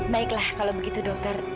baiklah kalau begitu dokter